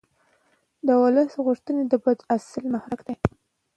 د ولس غوښتنې د بدلون اصلي محرک دي